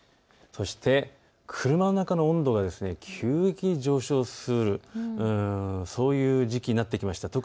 そして車の中の温度が急に上昇するそういう時期になってきました。